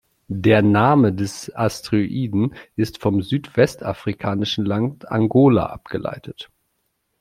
Der Name des Asteroiden ist vom südwestafrikanischen Land Angola abgeleitet.